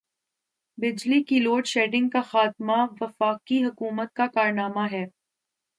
بجلی کی load shedding کا خاتمہ وفاقی حکومت کا کارنامہ ہے۔